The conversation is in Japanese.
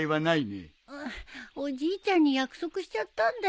うぅおじいちゃんに約束しちゃったんだよ。